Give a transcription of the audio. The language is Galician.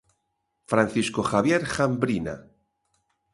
Francisco Javier Jambrina.